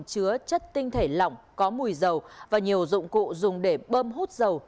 chứa chất tinh thể lỏng có mùi dầu và nhiều dụng cụ dùng để bơm hút dầu